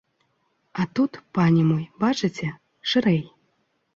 А тут, пане мой, бачыце, шырэй.